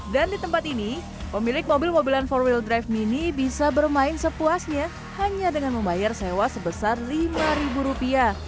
dan di tempat ini pemilik mobil mobilan empat wd mini bisa bermain sepuasnya hanya dengan membayar sewa sebesar rp lima